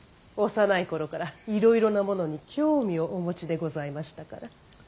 幼い頃からいろいろなものに興味をお持ちでございましたから。